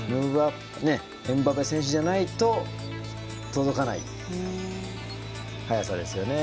エムバペ選手じゃないと届かない速さですよね。